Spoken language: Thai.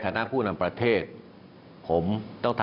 วันนี้นั้นผมจะมาพูดคุยกับทุกท่าน